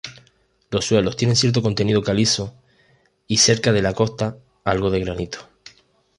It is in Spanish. Los suelos tienen cierto contenido calizo y cerca de la costa algo de granito.